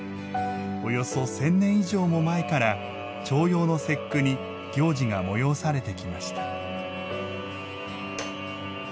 およそ１０００年以上も前から重陽の節句に行事が催されてきました。